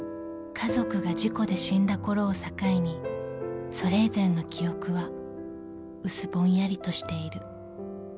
［家族が事故で死んだころを境にそれ以前の記憶は薄ぼんやりとしている］